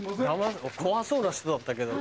怖そうな人だったけど。